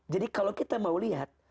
jadi kalau kita mau lihat